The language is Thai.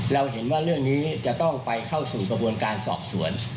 เราเห็นว่าเรื่องนี้จะต้องไปเข้าสู่กระบวนการสอบสวน